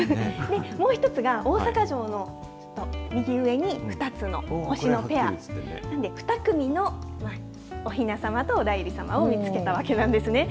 もう１つが、大阪城の右上に２つの星のペア、２組のおひなさまとお内裏様を見つけたわけなんですね。